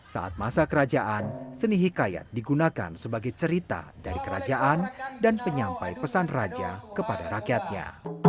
saat masa kerajaan seni hikayat digunakan sebagai cerita dari kerajaan dan penyampai pesan raja kepada rakyatnya